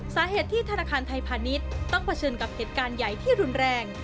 สาเหตุที่ธนาคารไทยพาณิชย์ต้องเผชิญกับเหตุการณ์ใหญ่ที่รุนแรง